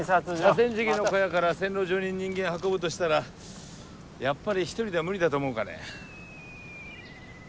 河川敷の小屋から線路上に人間運ぶとしたらやっぱり一人では無理だと思うかね？